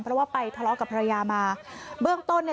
เพราะว่าไปทะเลาะกับภรรยามาเบื้องต้นเนี่ย